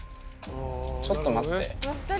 ちょっと待って。